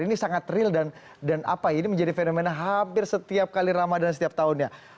ini sangat real dan apa ini menjadi fenomena hampir setiap kali ramadan setiap tahunnya